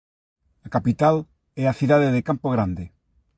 A capital é a cidade de Campo Grande.